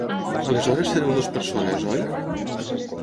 Aleshores sereu dos persones, oi?